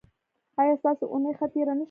ایا ستاسو اونۍ ښه تیره نه شوه؟